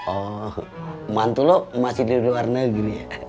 oh mantu lo masih di luar negeri ya